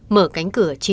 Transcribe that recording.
mở cánh cửa chi tiết